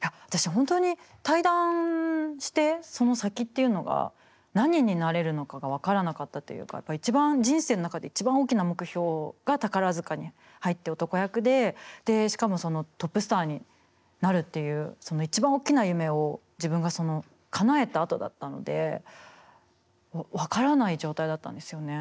本当に退団してその先っていうのが何になれるのかが分からなかったというか一番人生の中で一番大きな目標が宝塚に入って男役でしかもトップスターになるっていうその一番大きな夢を自分がかなえたあとだったので分からない状態だったんですよね。